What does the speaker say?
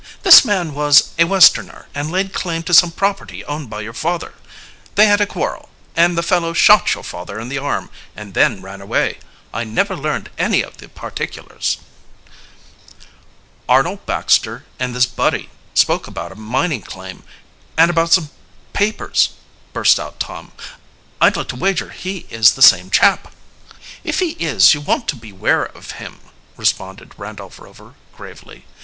This man was a Westerner, and laid claim to some property owned by your father. They had a quarrel, and the fellow shot your father in the arm and then ran away. I never learned any of the particulars." "Arnold Baxter and this Buddy spoke about a mining claim, and about some papers," burst out Tom. "I'd like to wager he is the same chap!" "If he is, you want to beware of him," responded Randolph Rover gravely.